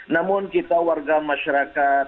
namun kita warga masyarakat